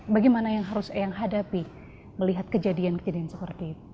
bagaimana yang harus eyang hadapi melihat kejadian kejadian seperti itu